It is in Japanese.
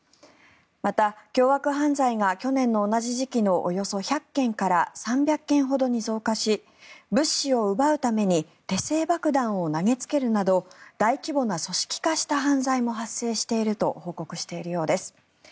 また、凶悪犯罪が去年の同じ時期のおよそ１００件からおよそ３００件ほどに増加し物資を奪うために手製爆弾を投げつけるなど大規模な組織化した犯罪も発生していると報告しているようです。